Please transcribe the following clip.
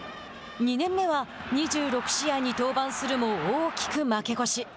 ２年目は２６試合に登板するも大きく負け越し。